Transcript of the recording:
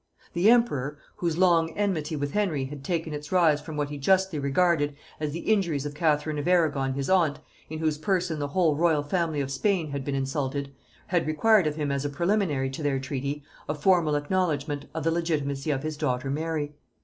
The emperor, whose long enmity with Henry had taken its rise from what he justly regarded as the injuries of Catherine of Arragon his aunt, in whose person the whole royal family of Spain had been insulted, had required of him as a preliminary to their treaty a formal acknowledgement of the legitimacy of his daughter Mary.